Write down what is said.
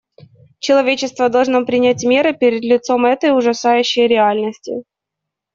Человечество должно принять меры перед лицом этой ужасающей реальности.